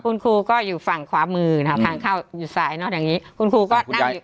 คุณครูก็อยู่ฝั่งขวามือนะคะทางเข้าอยู่ซ้ายเนอะอย่างนี้คุณครูก็นั่งอยู่